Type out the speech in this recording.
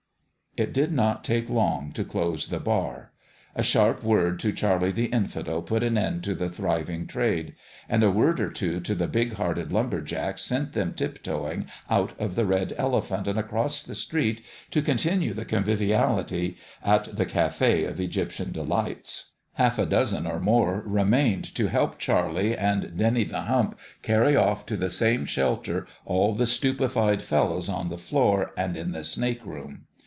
It did not take long to close the bar. A sharp word to Charlie the Infidel put an end to the thriving trade ; and a word or two to the big hearted lumber jacks sent them tiptoeing out of the Red Elephant and across the street to con tinue the conviviality at the Cafe of Egyptian Delights. Half a dozen or more remained to help Charlie and Dennie the Hump carry off to the same shelter all the stupefied fellows on the floor and in the snake room.